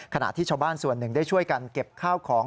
ขณะที่ชาวบ้านส่วนหนึ่งได้ช่วยกันเก็บข้าวของ